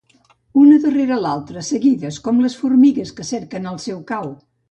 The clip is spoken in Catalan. Una darrere de l'altra, seguides, com les formigues que cerquen el seu cau...